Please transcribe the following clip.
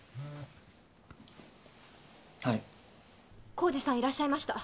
浩次さんいらっしゃいました。